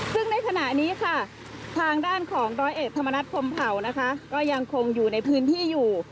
ซึ่งในขณะนี้ค่ะทางด้านของร้อยเอกธรรมนัฐพรมเผานะคะก็ยังคงอยู่ในพื้นที่อยู่